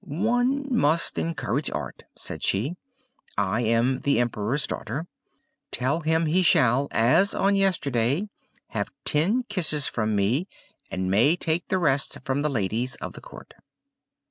"One must encourage art," said she, "I am the Emperor's daughter. Tell him he shall, as on yesterday, have ten kisses from me, and may take the rest from the ladies of the court."